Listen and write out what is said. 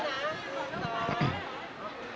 เบสไซด์